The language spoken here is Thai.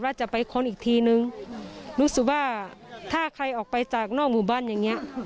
จะไปค้นอีกทีนึงรู้สึกว่าถ้าใครออกไปจากนอกหมู่บ้านอย่างเงี้ย